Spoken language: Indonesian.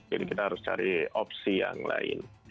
jadi kita harus cari opsi yang lain